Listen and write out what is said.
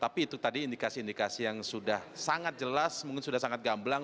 tapi itu tadi indikasi indikasi yang sudah sangat jelas mungkin sudah sangat gamblang